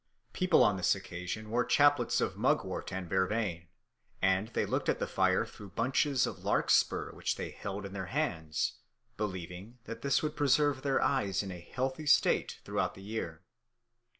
People on this occasion wore chaplets of mugwort and vervain, and they looked at the fire through bunches of larkspur which they held in their hands, believing that this would preserve their eyes in a healthy state throughout the year.